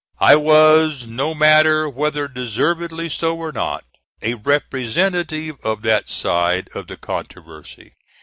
I was, no matter whether deservedly so or not, a representative of that side of the controversy.